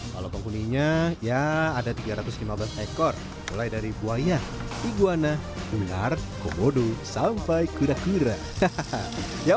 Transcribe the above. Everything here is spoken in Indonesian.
kalau kekuninya ya ada tiga ratus lima puluh ekor mulai dari buaya iguana ular kobodo sampai kuda kuda hahaha yang